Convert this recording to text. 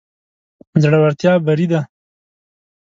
زړورتيا بري ده.